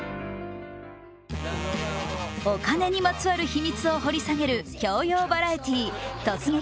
お金にまつわる秘密を掘り下げる教養バラエティ「突撃！